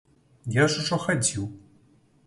Я ж ужо хадзіў.